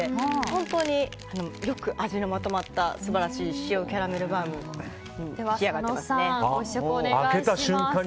本当によく味がまとまった素晴らしい塩キャラメルバウムになっていますね。